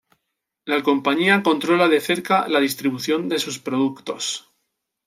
La compañía controla de cerca la distribución de sus productos.